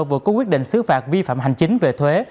vừa có quyết định xứ phạt vi phạm hành chính về thuế